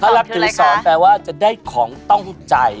พระรักษ์ถือศรแปลว่าจะได้ของต้องใจ